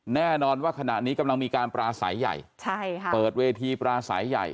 แน่นอนว่าขณะนี้กำลังมีการปราศัยใหญ่เปิดเวทีปราศัยใหญ่